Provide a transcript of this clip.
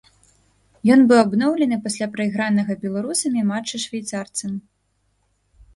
Ён быў абноўлены пасля прайгранага беларусамі матча швейцарцам.